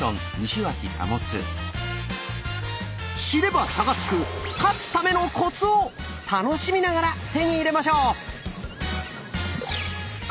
知れば差がつく「勝つためのコツ」を楽しみながら手に入れましょう！